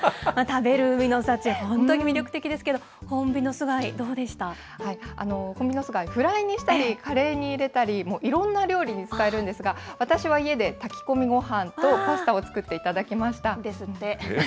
食べる海の幸、本当に魅力的ですけど、ホンビノス貝、どうでホンビノス貝、フライにしたり、カレーに入れたり、もういろんな料理に使えるんですが、私は家で炊き込みごはんとパスタを作って頂きました。